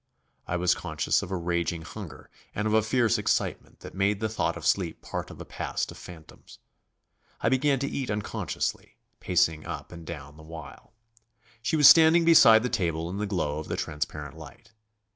I was conscious of a raging hunger and of a fierce excitement that made the thought of sleep part of a past of phantoms. I began to eat unconsciously, pacing up and down the while. She was standing beside the table in the glow of the transparent light.